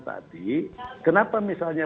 tadi kenapa misalnya